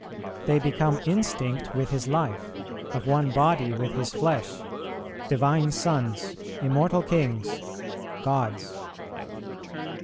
They become instinct with His life, of one body with His flesh, divine sons, immortal kings, gods.